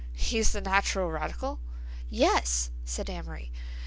"He's the natural radical?" "Yes," said Amory.